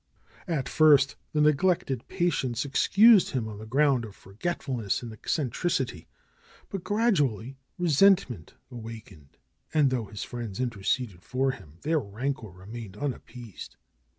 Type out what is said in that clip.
At first the neglected patients excused him on the ground of forgetfulness and eccentricity. But gradu ally resentment awakened and though his friends in terceded for him their rancor remained unappeased.